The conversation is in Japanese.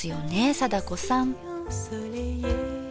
貞子さん。